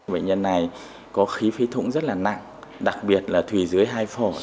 bệnh nhân này có khí phí thủng rất là nặng đặc biệt là thủy dưới hai phổ